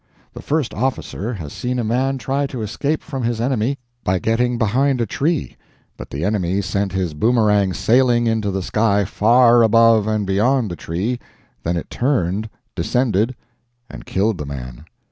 The first officer has seen a man try to escape from his enemy by getting behind a tree; but the enemy sent his boomerang sailing into the sky far above and beyond the tree; then it turned, descended, and killed the man.